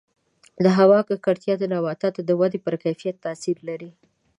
د هوا ککړتیا د نباتاتو د ودې پر کیفیت تاثیر لري.